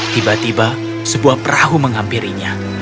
tiba tiba sebuah perahu menghampirinya